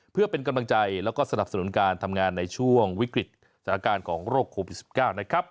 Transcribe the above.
เพื่อเป็นกำลังใจแล้วก็สนับสนุนการทำงานในช่วงวิกฤตสถานการณ์ของโรคโควิด๑๙นะครับ